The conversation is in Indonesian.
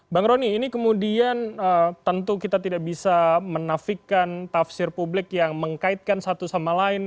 bang roni ini kemudian tentu kita tidak bisa menafikan tafsir publik yang mengkaitkan satu sama lain